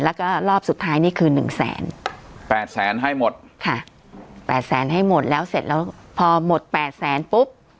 แล้วก็รอบสุดท้ายนี่คือหนึ่งแสนแปดแสนให้หมดค่ะแปดแสนให้หมดแล้วเสร็จแล้วพอหมดแปดแสนปุ๊บ